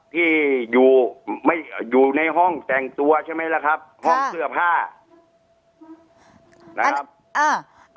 ที่อยู่ไม่อยู่ในห้องแต่งตัวใช่ไหมล่ะครับห้องเสื้อผ้านะครับอ่า